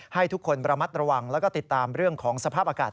ให้ทุกคนระมัดระวังแล้วก็ติดตามเรื่องของสภาพอากาศ